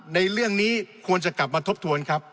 ในเรื่องนี้ควรจะกลับมาทบทวนครับ